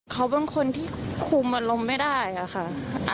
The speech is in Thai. เขาเป็นคนที่คุมอารมณ์ไม่ได้อะค่ะ